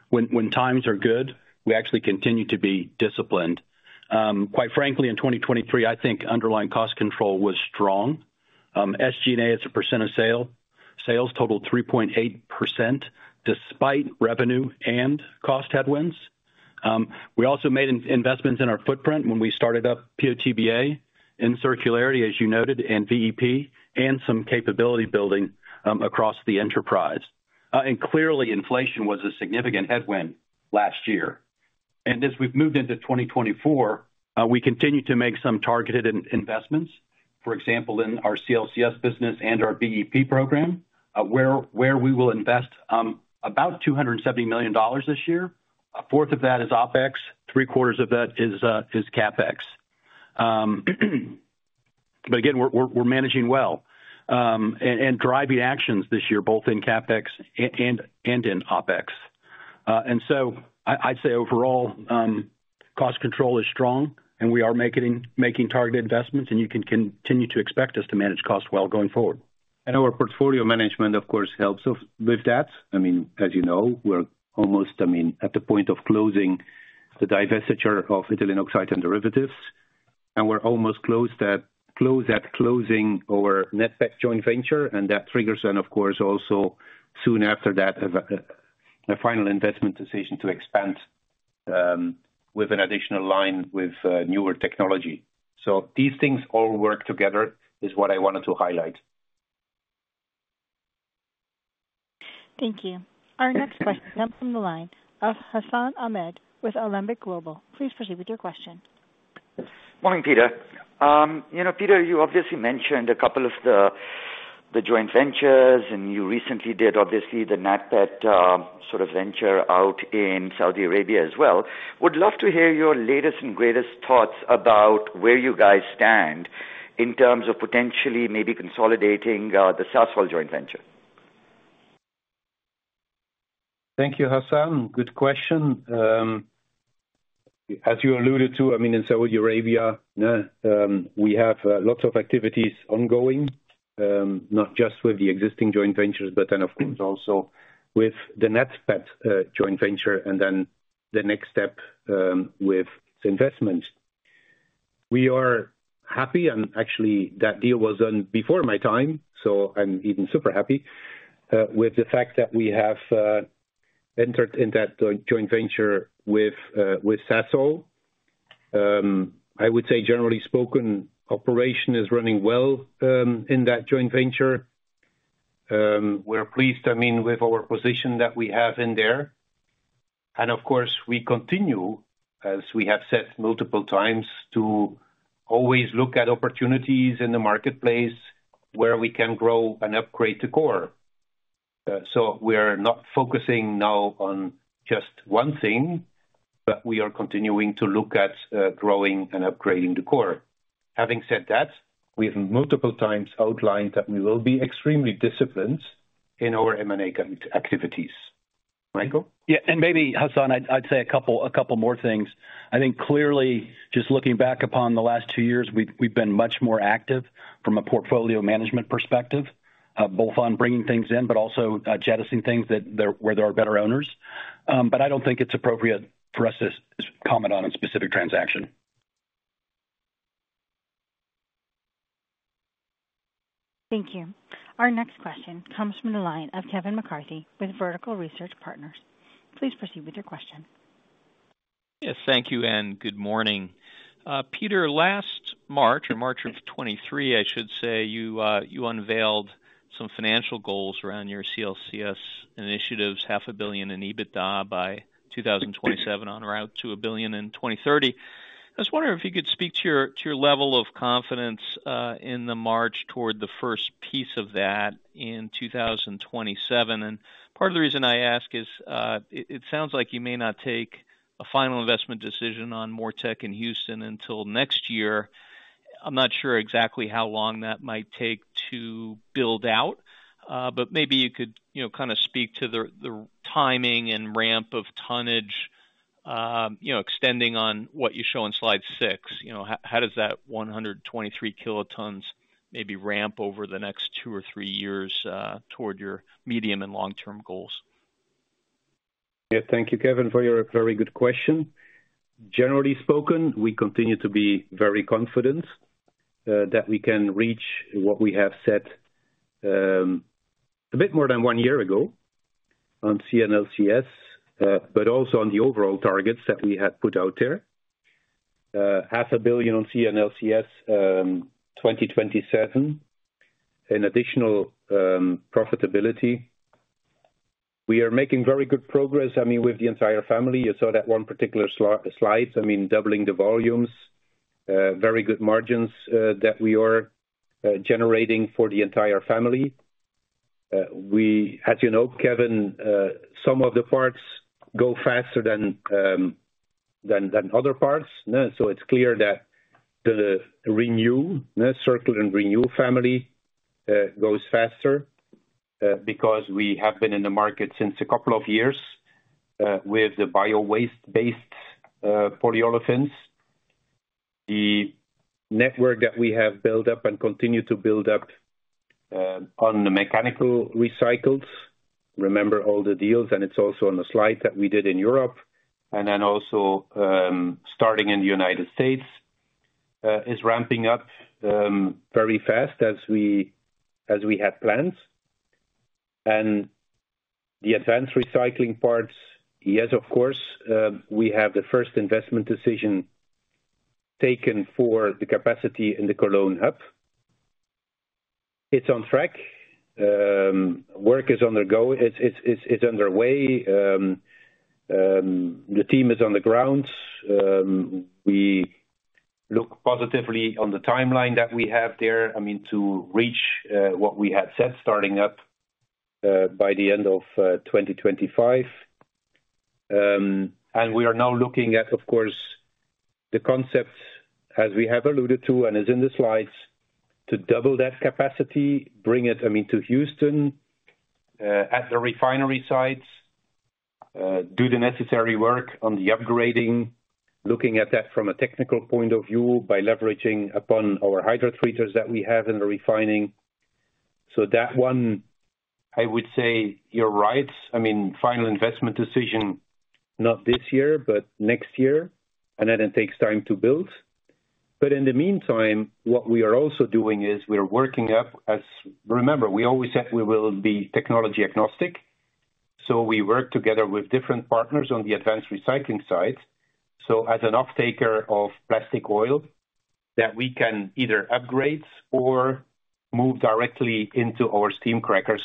When times are good, we actually continue to be disciplined. Quite frankly, in 2023, I think underlying cost control was strong. SG&A, as a percent of sales totaled 3.8%, despite revenue and cost headwinds. We also made investments in our footprint when we started up PO/TBA in circularity, as you noted, and VEP, and some capability building across the enterprise. And clearly, inflation was a significant headwind last year. And as we've moved into 2024, we continue to make some targeted investments. For example, in our CLCS business and our VEP program, where we will invest about $270 million this year. A fourth of that is OpEx, three quarters of that is CapEx. But again, we're managing well, and driving actions this year, both in CapEx and in OpEx. And so I'd say overall, cost control is strong, and we are making targeted investments, and you can continue to expect us to manage costs well going forward. Our portfolio management, of course, helps us with that. I mean, as you know, we're almost, I mean, at the point of closing the divestiture of ethylene oxide and derivatives, and we're almost close to closing our NATPET joint venture, and that triggers then, of course, also soon after that, a final investment decision to expand with an additional line with newer technology. So these things all work together, is what I wanted to highlight. Thank you. Our next question comes from the line of Hassan Ahmed with Alembic Global. Please proceed with your question. Morning, Peter. You know, Peter, you obviously mentioned a couple of the joint ventures, and you recently did, obviously, the NATPET, sort of venture out in Saudi Arabia as well. Would love to hear your latest and greatest thoughts about where you guys stand in terms of potentially maybe consolidating, the Sasol joint venture. Thank you, Hassan. Good question. As you alluded to, I mean, in Saudi Arabia, we have lots of activities ongoing, not just with the existing joint ventures, but then, of course, also with the NATPET joint venture and then the next step with the investment. We are happy, and actually, that deal was done before my time, so I'm even super happy with the fact that we have entered in that joint venture with Sasol. I would say, generally spoken, operation is running well in that joint venture. We're pleased, I mean, with our position that we have in there, and of course, we continue, as we have said multiple times, to always look at opportunities in the marketplace where we can grow and upgrade the core. We're not focusing now on just one thing, but we are continuing to look at growing and upgrading the core. Having said that, we've multiple times outlined that we will be extremely disciplined in our M&A activities. Michael? Yeah, and maybe, Hassan, I'd say a couple more things. I think clearly, just looking back upon the last two years, we've been much more active from a portfolio management perspective, both on bringing things in, but also jettisoning things where there are better owners. But I don't think it's appropriate for us to comment on a specific transaction. Thank you. Our next question comes from the line of Kevin McCarthy with Vertical Research Partners. Please proceed with your question. Yes, thank you, and good morning. Peter, last March, or March of 2023, I should say, you unveiled some financial goals around your CLCS initiatives, $500 million in EBITDA by 2027, on route to $1 billion in 2030. I was wondering if you could speak to your level of confidence in the march toward the first piece of that in 2027. Part of the reason I ask is, it sounds like you may not take a final investment decision on MoReTec in Houston until next year. I'm not sure exactly how long that might take to build out, but maybe you could, you know, kind of speak to the timing and ramp of tonnage, you know, extending on what you show on slide 6. You know, how, how does that 123 kilotons maybe ramp over the next two or three years toward your medium- and long-term goals? Yeah. Thank you, Kevin, for your very good question. Generally speaking, we continue to be very confident that we can reach what we have set a bit more than one year ago on CLCS, but also on the overall targets that we had put out there. Half a billion on CLCS, 2027. An additional profitability. We are making very good progress, I mean, with the entire family. You saw that one particular slide, I mean, doubling the volumes, very good margins that we are generating for the entire family. As you know, Kevin, some of the parts go faster than than other parts. So it's clear that the Renew, the Circulen and Renew family goes faster because we have been in the market since a couple of years with the bio-waste based polyolefins. The network that we have built up and continue to build up on the mechanical recycling, remember all the deals, and it's also on the slide, that we did in Europe. And then also starting in the United States is ramping up very fast as we had planned. And the advanced recycling parts, yes, of course, we have the first investment decision taken for the capacity in the Cologne hub. It's on track. Work is on the go. It's underway. The team is on the ground. We look positively on the timeline that we have there, I mean, to reach what we had set, starting up by the end of 2025. And we are now looking at, of course, the concepts, as we have alluded to and is in the slides, to double that capacity, bring it, I mean, to Houston at the refinery sites, do the necessary work on the upgrading, looking at that from a technical point of view by leveraging upon our hydro treaters that we have in the refining. So that one, I would say, you're right. I mean, final investment decision, not this year, but next year, and then it takes time to build. But in the meantime, what we are also doing is we are working up as... Remember, we always said we will be technology agnostic, so we work together with different partners on the advanced recycling side. So as an off-taker of plastic oil that we can either upgrade or move directly into our steam crackers.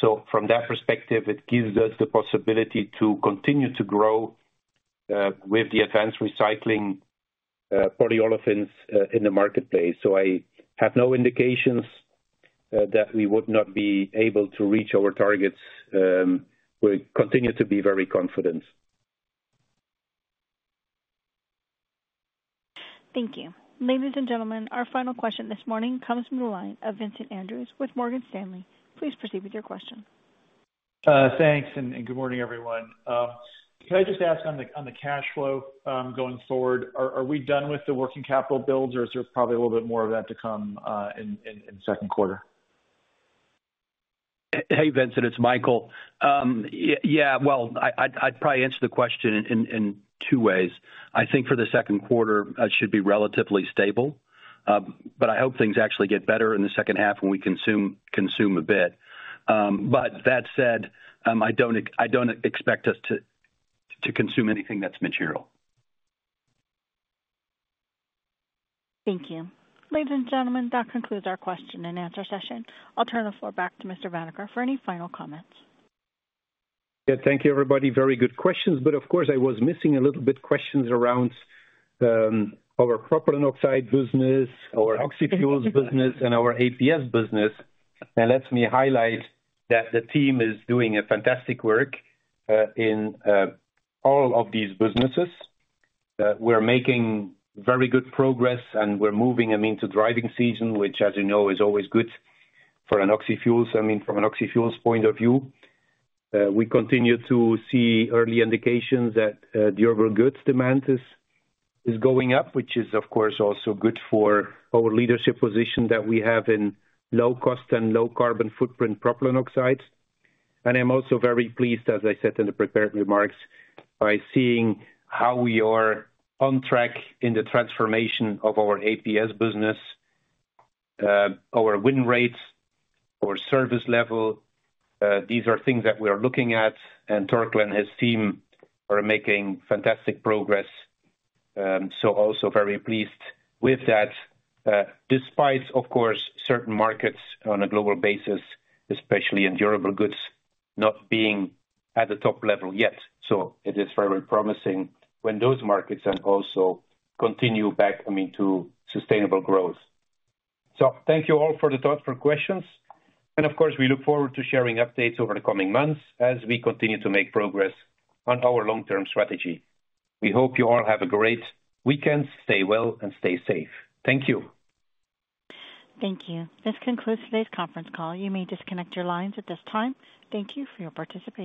So from that perspective, it gives us the possibility to continue to grow with the advanced recycling polyolefins in the marketplace. So I have no indications that we would not be able to reach our targets. We continue to be very confident. Thank you. Ladies and gentlemen, our final question this morning comes from the line of Vincent Andrews with Morgan Stanley. Please proceed with your question. Thanks and good morning, everyone. Can I just ask on the cash flow going forward, are we done with the working capital builds, or is there probably a little bit more of that to come in the second quarter? Hey, Vincent, it's Michael. Yeah, well, I'd probably answer the question in two ways. I think for the second quarter, it should be relatively stable. But I hope things actually get better in the second half when we consume a bit. But that said, I don't expect us to consume anything that's material. Thank you. Ladies and gentlemen, that concludes our question and answer session. I'll turn the floor back to Mr. Vanacker for any final comments. Yeah, thank you, everybody. Very good questions. But of course, I was missing a little bit questions around our propylene oxide business, our oxyfuels business, and our APS business. And let me highlight that the team is doing a fantastic work in all of these businesses. We're making very good progress, and we're moving them into driving season, which, as you know, is always good for oxyfuels. I mean, from an oxyfuels point of view, we continue to see early indications that durable goods demand is, is going up, which is, of course, also good for our leadership position that we have in low cost and low carbon footprint propylene oxides. I'm also very pleased, as I said in the prepared remarks, by seeing how we are on track in the transformation of our APS business, our win rates, our service level, these are things that we are looking at, and Torkel and his team are making fantastic progress. So also very pleased with that, despite, of course, certain markets on a global basis, especially in durable goods, not being at the top level yet. So it is very promising when those markets then also continue back, I mean, to sustainable growth. So thank you all for the thoughtful questions. And of course, we look forward to sharing updates over the coming months as we continue to make progress on our long-term strategy. We hope you all have a great weekend. Stay well and stay safe. Thank you. Thank you. This concludes today's conference call. You may disconnect your lines at this time. Thank you for your participation.